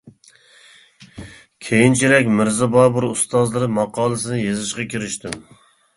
كېيىنچىرەك «مىرزا بابۇر ئۇستازلىرى» ماقالىسىنى يېزىشقا كىرىشتىم.